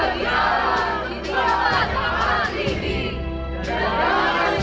muliaan bagi allah kita adalah kemah hati hati